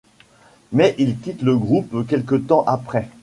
Mais il quitte le groupe quelque temps après.